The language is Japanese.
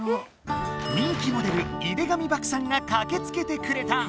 人気モデル井手上漠さんがかけつけてくれた！